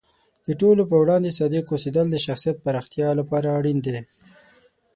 د ټولو په وړاندې صادق اوسیدل د شخصیت پراختیا لپاره اړین دی.